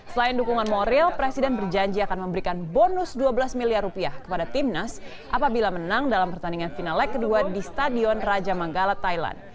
selain dukungan moral presiden berjanji akan memberikan bonus dua belas miliar rupiah kepada timnas apabila menang dalam pertandingan final leg kedua di stadion raja manggala thailand